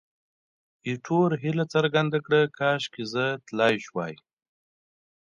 ایټور هیله څرګنده کړه، کاشکې زه تلای شوای.